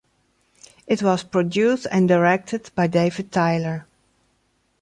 It was produced and directed by David Tyler.